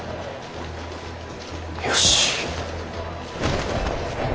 よし。